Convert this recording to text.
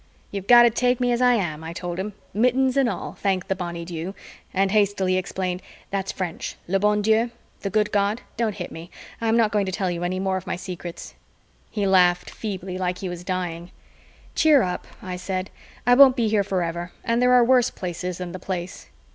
"You've got to take me as I am," I told him, "mittens and all, thank the Bonny Dew " and hastily explained, "That's French le bon Dieu the good God don't hit me. I'm not going to tell you any more of my secrets." He laughed feebly, like he was dying. "Cheer up," I said. "I won't be here forever, and there are worse places than the Place."